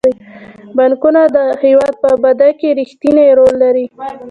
بانکونه د هیواد په ابادۍ کې رښتینی رول لري.